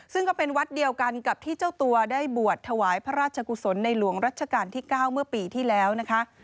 ซึ่งก็เป็นวัดเดียวกันกับที่เจ้าตัวได้บวชถวายพระราชกุศลในหลวงรัชกาลที่๙เมื่อปีที่แล้วนะคะ